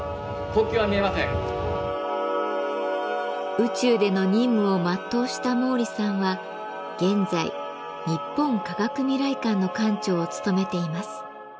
宇宙での任務を全うした毛利さんは現在日本科学未来館の館長を務めています。